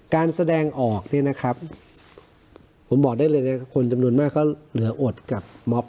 การแสดงออกนี่นะครับผมบอกได้เลยนะคนจำนวนมากเขาเหลืออดกับ